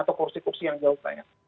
atau kursi kursi yang jauh saya